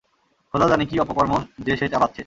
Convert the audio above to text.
খোদা জানে কী অপকর্ম যে সে চালাচ্ছে!